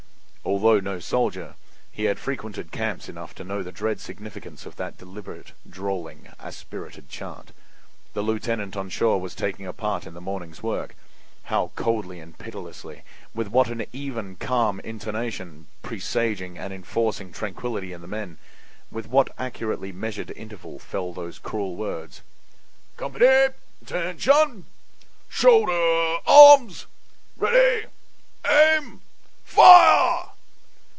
Although no soldier, he had frequented camps enough to know the dread significance of that deliberate, drawling, aspirated chant; the lieutenant on shore was taking a part in the morning's work. How coldly and pitilessly—with what an even, calm intonation, presaging, and enforcing tranquility in the men—with what accurately measured interval fell those cruel words: "Company!… Attention!… Shoulder arms!… Ready!… Aim!… Fire!"